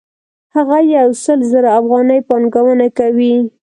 هغه یو سل زره افغانۍ پانګونه کوي